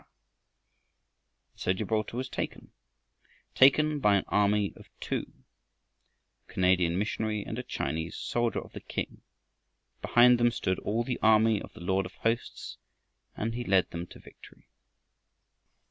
And so Gibraltar was taken, taken by an army of two, a Canadian missionary and a Chinese soldier of the King, for behind them stood all the army of the Lord of hosts, and he led them to victory!